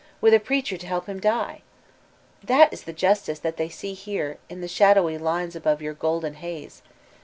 with a preacher to help him die I That is the justice that they see there, in the shadow fines above your golden haze.